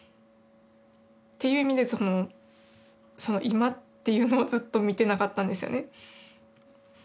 っていう意味で今っていうのをずっと見てなかったんですよね。